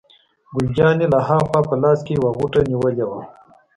ګل جانې له ها خوا په لاس کې یوه غوټه نیولې وه.